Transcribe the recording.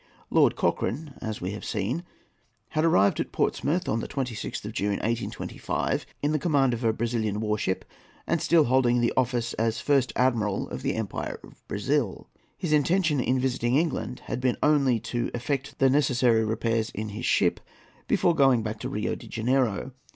Lord Cochrane, as we have seen, had arrived at Portsmouth on the 26th of June, 1825, in command of a Brazilian war ship and still holding office as First Admiral of the Empire of Brazil. His intention in visiting England had been only to effect the necessary repairs in his ship before going back to Rio de Janeiro.